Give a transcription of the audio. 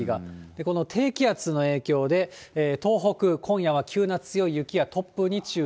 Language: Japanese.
この低気圧の影響で、東北、今夜は急な強い雪や突風に注意。